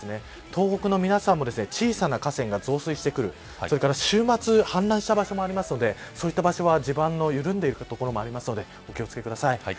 東北の皆さんも小さな河川が増水してくるそれから週末、氾濫場所もあるのでそういった場所は地盤の緩んでいる所もあるのでお気を付けください。